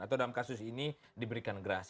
atau dalam kasus ini diberikan gerasi